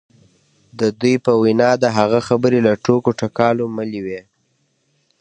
د دوی په وینا د هغه خبرې له ټوکو ټکالو ملې وې